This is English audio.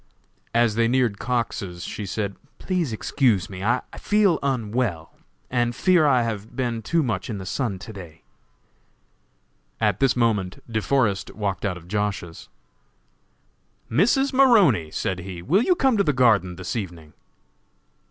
As they neared Cox's she said: "Please excuse me; I feel unwell, and fear I have been too much in the sun to day." At this moment De Forest walked out of Josh.'s. "Mrs. Maroney," said he, "will you come to the garden this evening?"